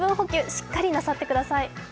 しっかりなさってください。